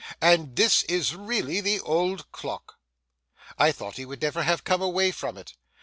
And this is really the old clock!' I thought he would never have come away from it.